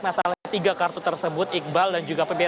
dengan masalah tiga kartu tersebut iqbal dan juga penduduknya